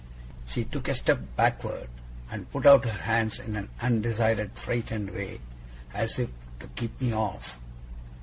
She took a step backward, and put out her hands in an undecided frightened way, as if to keep me off.